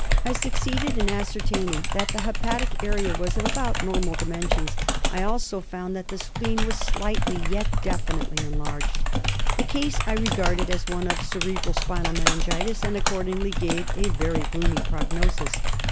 I succeeded in ascertaining that the hepatic area was of about normal dimensions ; I also found that the spleen was slightly yet definitely enlarged. The case I regarded as one of cerebro spinal meningitis, and accordingly gave a very gloomy prognosis.